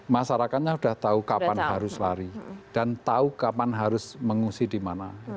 masyarakatnya sudah tahu kapan harus lari dan tahu kapan harus mengungsi di mana